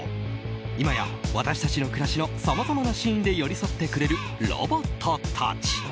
今や私たちの暮らしのさまざまなシーンで寄り添ってくれるロボットたち。